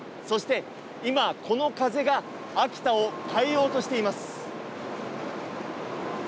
そして、今、この風が秋田を変えようとしています。